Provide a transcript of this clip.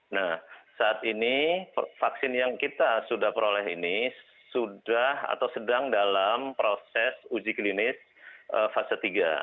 nah saat ini vaksin yang kita sudah peroleh ini sudah atau sedang dalam proses uji klinis fase tiga